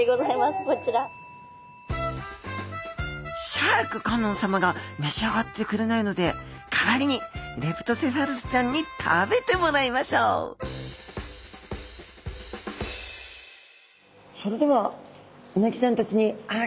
シャーク香音さまがめしあがってくれないので代わりにレプトセファルスちゃんに食べてもらいましょうそれではうなぎちゃんたちにあげてみたいと思います。